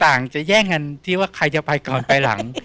จะแย่งกันที่ว่าใครจะไปก่อนไปหลัง